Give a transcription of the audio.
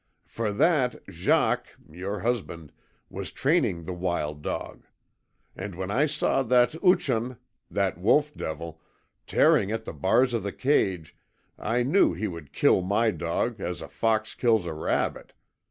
"For that, Jacques your husband was training the wild dog. And when I saw that OOCHUN that wolf devil tearing at the bars of the cage I knew he would kill my dog as a fox kills a rabbit.